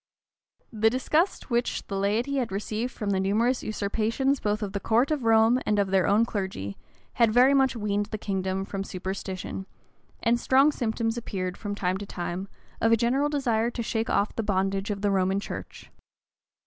The disgust which the laity had received from the numerous usurpations both of the court of Rome and of their own clergy, had very much weaned the kingdom from superstition; and strong symptoms appeared, from time to time, of a general desire to shake off the bondage of the Romish church.